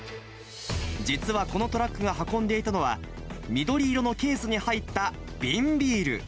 実はこのトラックが運んでいたのは、緑色のケースに入った瓶ビール。